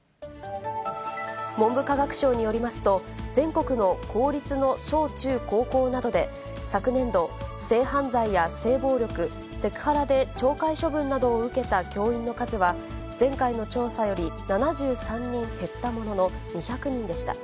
文部科学省によりますと、全国の公立の小中高校などで、昨年度、性犯罪や性暴力、セクハラで懲戒処分などを受けた教員の数は、前回の調査より７３人減ったものの、２００人でした。